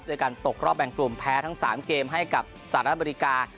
การตกรอบแบ่งกลุ่มแพ้ทั้ง๓เกมให้กับสหรัฐอเมริกา